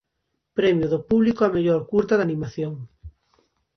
Premio do público á mellor curta de animación.